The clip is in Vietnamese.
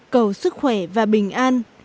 cầu sức khỏe và bình an